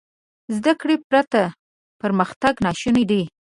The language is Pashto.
زده کړې پرته پرمختګ ناشونی دی.